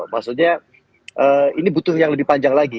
maksudnya ini butuh yang lebih panjang lagi